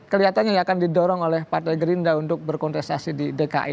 kelihatannya ya akan didorong oleh partai gerindra untuk berkontestasi di dki